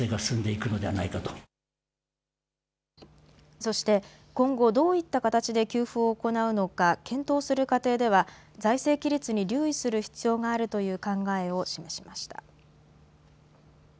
そして今後、どういった形で給付を行うのか検討する過程では財政規律に留意する必要があるという考えを示しました。